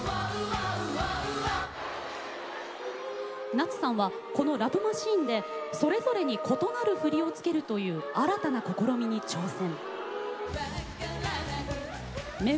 夏さんはこの「ＬＯＶＥマシーン」でそれぞれに異なる振りを付けるという新たな試みに挑戦。